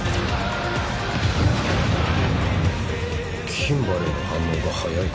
キンバレーの反応が早いか？